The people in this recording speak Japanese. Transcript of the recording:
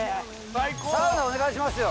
サウナお願いしますよ。